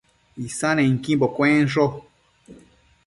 Isannequimbo cuensho